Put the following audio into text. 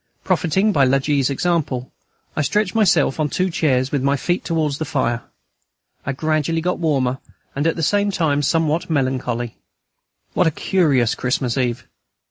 Profiting by La G.'s example, I stretched myself on two chairs, with my feet towards the fire. I gradually got warmer, and at the same time somewhat melancholy. What a curious Christmas Eve!